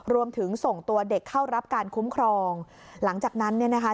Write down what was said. รวมถึงส่งตัวเด็กเข้ารับการคุ้มครองหลังจากนั้นเนี่ยนะคะ